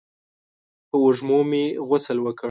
په وږمو مې غسل وکړ